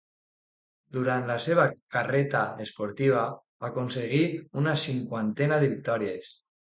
Durant la seva carreta esportiva aconseguí una cinquantena de victòries.